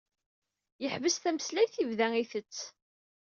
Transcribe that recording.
Yeḥbes tameslayt, yebda itett.